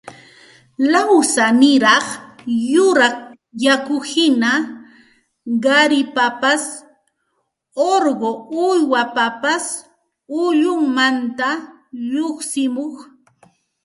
lawsaniraq yuraq yakuhina qaripapas urqu uywapapas ullunmanta lluqsimuq